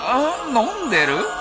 飲んでる？